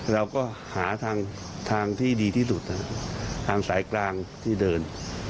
เราก็หาทางที่ดีที่สุดทางสายกลางที่เดิน